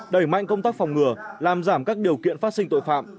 đẩy mạnh công tác phòng ngừa làm giảm các điều kiện phát sinh tội phạm